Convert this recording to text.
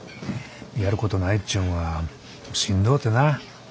やることないっちゅうんはしんどうてなぁ。